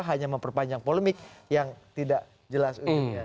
hanya memperpanjang polemik yang tidak jelas umumnya